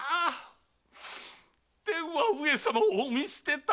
天は上様をお見捨てた